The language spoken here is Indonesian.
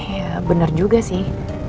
ya bener juga sih